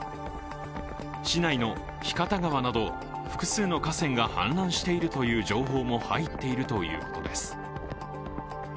市内の日方川など複数の河川が氾濫しているという情報も入っているということです。